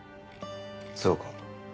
そうか。